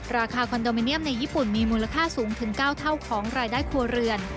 คอนโดมิเนียมในญี่ปุ่นมีมูลค่าสูงถึง๙เท่าของรายได้ครัวเรือน